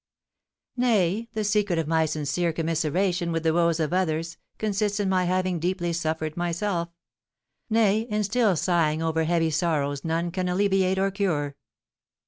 "Nay, the secret of my sincere commiseration with the woes of others consists in my having deeply suffered myself, nay, in still sighing over heavy sorrows none can alleviate or cure."